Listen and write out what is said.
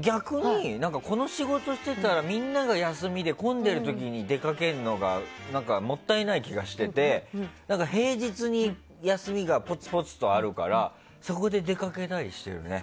逆に、この仕事してたらみんなが休みで混んでる時に出かけるのがもったいない気がしてて平日に休みがぽつぽつとあるからそこで出かけたりしてるね。